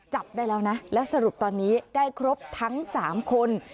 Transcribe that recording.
จับได้แล้วนะและสรุปตอนนี้ได้ครบทั้ง๓คน